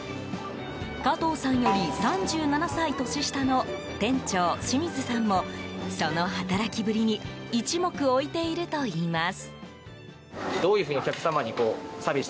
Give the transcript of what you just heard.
加藤さんより３７歳年下の店長・清水さんもその働きぶりに一目置いているといいます。